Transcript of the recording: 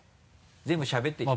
全部しゃべってきた？